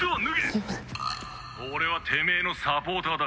俺はてめえのサポーターだ。